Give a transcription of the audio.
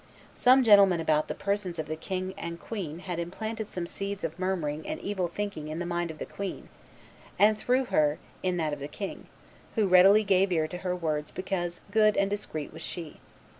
Some gentlemen about the persons of the king and the queen had implanted some seeds of murmuring and evil thinking in the mind of the queen, and through her in that of the king, who readily gave ear to her words because good and discreet was she.